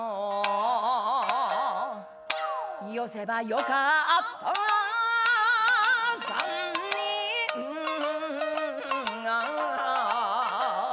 「よせばよかった三人が」